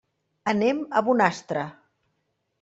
Anem a Bonastre.